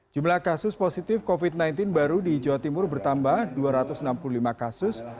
jumlah kasus positif covid sembilan belas baru di jawa timur bertambah dua ratus enam puluh lima kasus